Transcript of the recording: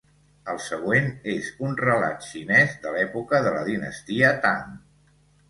El següent és un relat xinès de l'època de la dinastia Tang.